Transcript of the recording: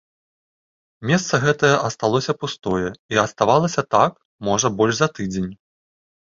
Месца гэтае асталося пустое і аставалася так, можа, больш за тыдзень.